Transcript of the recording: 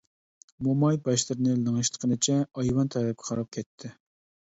موماي باشلىرىنى لىڭشىتقىنىچە ئايۋان تەرەپكە قاراپ كەتتى.